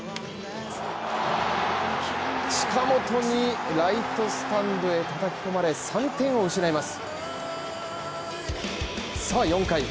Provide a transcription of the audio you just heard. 近本にライトスタンドへ叩き込まれ３点を失います。